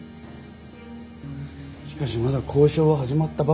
しかしまだ交渉は始まったばかりです。